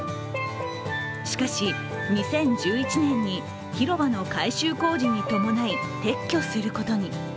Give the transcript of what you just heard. しかし２０１１年に広場の改修工事に伴い撤去することに。